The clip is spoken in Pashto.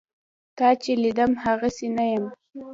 تا چې لیدم هغسې نه یم.